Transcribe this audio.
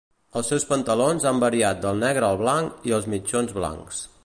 Els seus pantalons han variat del negre al blanc i els mitjons blancs.